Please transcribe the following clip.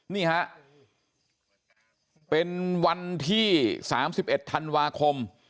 นี่ฮะเป็นวันที่๓๑ธันวาคม